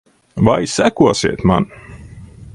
Vai sekosiet man?